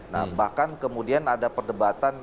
nah bahkan kemudian ada perdebatan